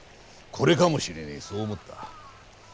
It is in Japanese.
これかもしれねえそう思った。